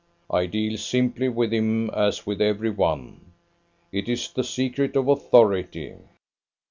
I deal simply with him, as with every one. It is the secret of authority.